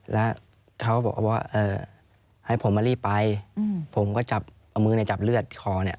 แล้วเขาบอกว่าให้ผมมารีบไปผมก็จับเอามือเนี่ยจับเลือดคอเนี่ย